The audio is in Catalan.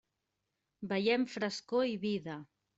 Veiem frescor i vida.